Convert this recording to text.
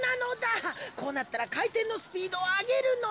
こうなったらかいてんのスピードをあげるのだ。